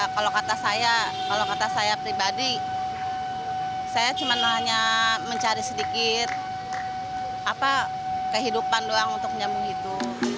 kalau kata saya pribadi saya cuma hanya mencari sedikit kehidupan doang untuk nyambung itu